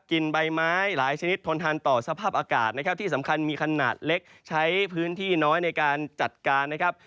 ใบไม้หลายชนิดทนทานต่อสภาพอากาศนะครับที่สำคัญมีขนาดเล็กใช้พื้นที่น้อยในการจัดการนะครับ